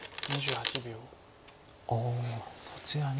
ああそちらに。